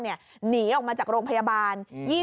หนีออกมาจากโรงพยาบาล